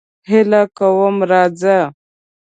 هیله کوم راځه.